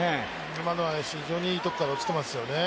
今のは非常にいいところに落ちてますよね。